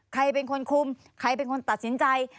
ใครเป็นคนคุมใครเป็นคนตัดสินใจ